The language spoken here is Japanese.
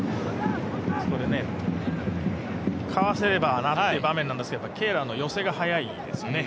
あそこでかわせればという場面なんですけどケーラーの寄せが速いですね。